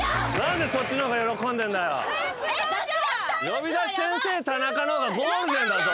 『呼び出し先生タナカ』の方がゴールデンだぞ！